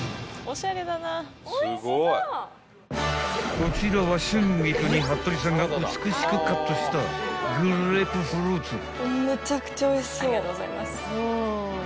［こちらは春菊に服部さんが美しくカットしたグレープフルーツ］ありがとうございます。